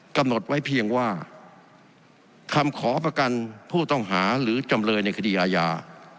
กำหนดไว้เพียงว่าคำขอประกันผู้ต้องหาหรือจำเลยในคดีอาญา